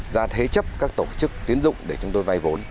ra thế chấp các tổ chức tiến dụng để chúng tôi vay vốn